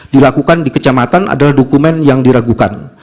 dilakukan di kecamatan adalah dokumen yang diragukan